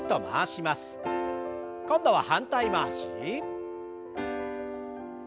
今度は反対回し。